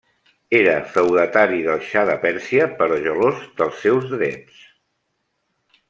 Era feudatari del xa de Pèrsia però gelós dels seus drets.